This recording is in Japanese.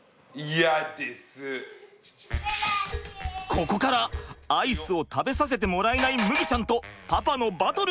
ここからアイスを食べさせてもらえない麦ちゃんとパパのバトルがスタート！